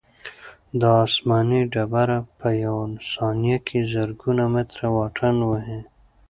دا آسماني ډبره په یوه ثانیه کې زرګونه متره واټن وهي.